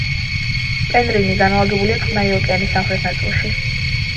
პენრინი განლაგებულია წყნარი ოკეანის სამხრეთ ნაწილში.